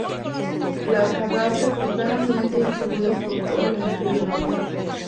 Las fagáceas están ampliamente distribuidas por todo el hemisferio norte.